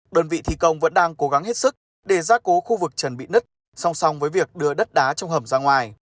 đơn vị thi công vẫn đang cố gắng hết sức để ra cố khu vực trần bị nứt song song với việc đưa đất đá trong hầm ra ngoài